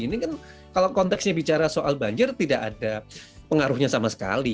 ini kan kalau konteksnya bicara soal banjir tidak ada pengaruhnya sama sekali